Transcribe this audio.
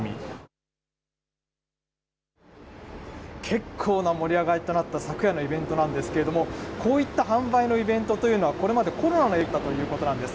けっこうな盛り上がりとなった昨夜のイベントなんですけれども、こういった販売のイベントというのは、これまでコロナの影響でなかなか開けなかったということなんです。